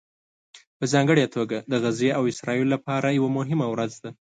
په ځانګړې توګه د غزې او اسرائیلو لپاره یوه مهمه ورځ ده